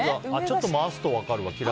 ちょっと回すと分かるわ。